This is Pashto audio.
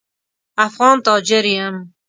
افغان تاجر یم.